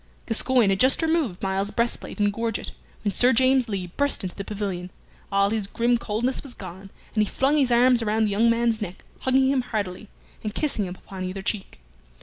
Gascoyne had just removed Myles's breastplate and gorget, when Sir James Lee burst into the pavilion. All his grim coldness was gone, and he flung his arms around the young man's neck, hugging him heartily, and kissing him upon either cheek.